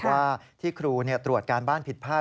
ว่าที่ครูตรวจการบ้านผิดพลาด